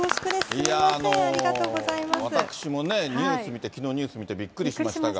すみません、私もね、ニュース見て、きのうニュース見て、びっくりしましたが。